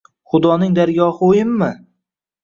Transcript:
Xudoning dargohi o‘yinmi?!